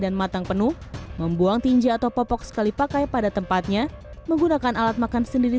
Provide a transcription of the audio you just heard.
dan matang penuh membuang tinja atau popok sekali pakai pada tempatnya menggunakan alat makan sendiri